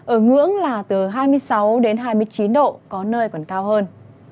ở ngưỡng là từ hai mươi sáu đến hai mươi chín độ có nơi còn cao hơn